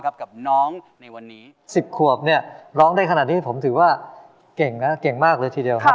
แต่ก่อนนั้นฉันคิดว่ารักคือความเข้าเถิน